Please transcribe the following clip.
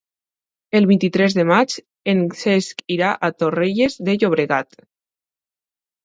El vint-i-tres de maig en Cesc irà a Torrelles de Llobregat.